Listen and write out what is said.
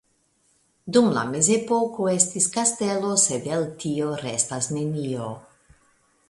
Dum la Mezepoko estis kastelo sed el tio restas nenio.